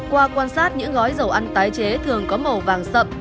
qua quan sát những gói dầu ăn tái chế thường có màu vàng sậm